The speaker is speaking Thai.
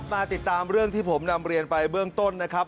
มาติดตามเรื่องที่ผมนำเรียนไปเบื้องต้นนะครับ